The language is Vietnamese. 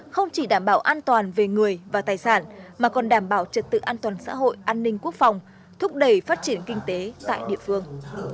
không chỉ đảm bảo an toàn về người và tài sản mà còn đảm bảo trật tự an toàn xã hội an ninh quốc phòng thúc đẩy phát triển kinh tế tại địa phương